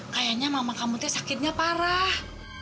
kayaknya mama kamu tuh sakitnya parah